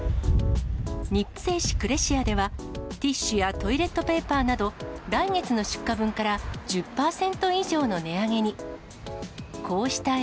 日本製紙クレシアでは、ティッシュやトイレットペーパーなど、来月の出荷分から１０％以上の値上げに。